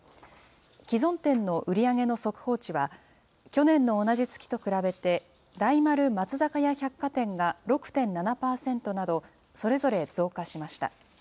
既存店の売り上げの速報値は、去年の同じ月と比べて、大丸松坂屋百貨店が６．７％など、それぞれ増加しました。